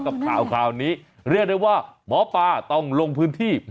กับข่าวข่าวนี้เรียกได้ว่าหมอปลาต้องลงพื้นที่